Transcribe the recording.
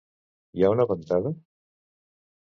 Hi ha una ventada?